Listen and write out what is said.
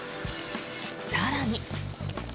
更に。